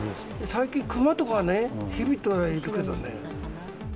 最近、クマとかね、ヘビとかはいるけどね。